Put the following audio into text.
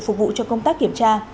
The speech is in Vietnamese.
phục vụ cho công tác kiểm tra